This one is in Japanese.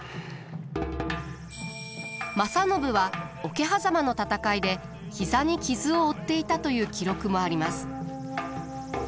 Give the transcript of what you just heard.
正信は桶狭間の戦いで膝に傷を負っていたという記録もあります。